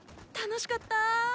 楽しかった。